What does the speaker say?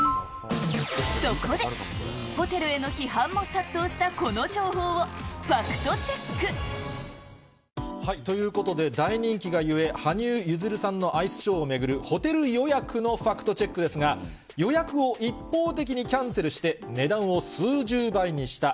そこで、ホテルへの批判も殺到したこの情報をファクトチェック。ということで、大人気がゆえ、羽生結弦さんのアイスショーを巡るホテル予約のファクトチェックですが、予約を一方的にキャンセルして、値段を数十倍にした。